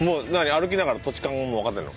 歩きながら土地勘ももうわかってるの？